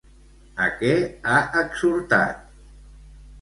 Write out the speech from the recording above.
A què ha exhortat?